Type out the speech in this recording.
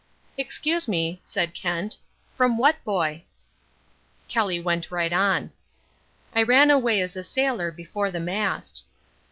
"Excuse me," said Kent, "from what boy?" Kelly went right on. "I ran away as a sailor before the mast."